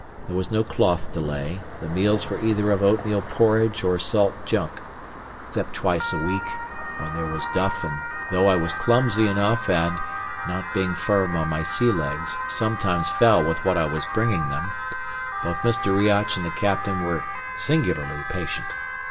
There was no cloth to lay; the meals were either of oatmeal porridge or salt junk, except twice a week, when there was duff: and though I was clumsy enough and (not being firm on my sealegs) sometimes fell with what I was bringing them, both Mr. Riach and the captain were singularly patient.